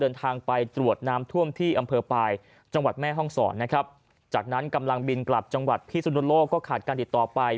เดินทางไปตรวจน้ำท่วมที่อำเภอปลายจังหวัดแม่ห้องศรนะครับจากนั้นกำลังบินกลับจังหวัดพิสุนโลกก็ขาดการติดต่อไป